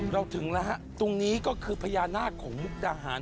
ถึงแล้วฮะตรงนี้ก็คือพญานาคของมุกดาหาร